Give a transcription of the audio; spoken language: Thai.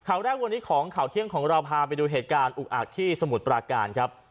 ข่าวแรกวันนี้ของข่าวเที่ยงของเราพาไปดูเหตุการณ์อุกอักที่สมุทรปราการครับ